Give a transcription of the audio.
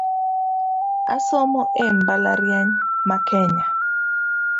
Osomo e mbalariany ma Kenya